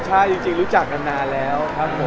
ใช่จริงรู้จักกันนานแล้ว